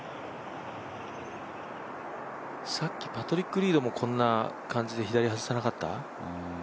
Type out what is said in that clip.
さっきパトリック・リードもこんな感じで左に外さなかった？